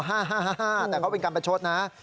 ฮ่าแต่เขาเป็นกันประชดนะฮะ